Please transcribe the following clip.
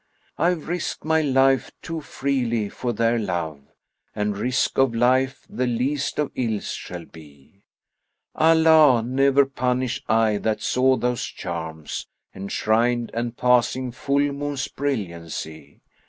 I've risked my life too freely for their love; * And risk of life the least of ills shall be. Allah ne'er punish eye that saw those charms * Enshrined, and passing full moon's brilliancy!